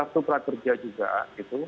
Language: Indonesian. kartu prakerja juga gitu